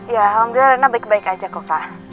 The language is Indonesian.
ya hal hal rena baik baik aja kok kak